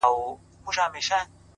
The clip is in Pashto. خوب كي گلونو ســـره شپـــــې تېــروم”